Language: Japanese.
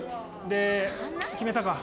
で決めたか？